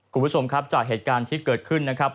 คุณผู้ชมครับจากเหตุการณ์ที่เกิดขึ้นนะครับ